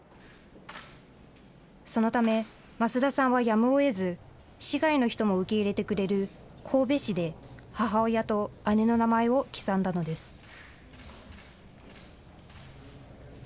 そのため、増田さんはやむをえず、市外の人も受け入れてくれる神戸市で、母親と姉の名前を刻んだのです。